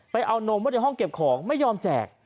เอานมไว้ในห้องเก็บของไม่ยอมแจก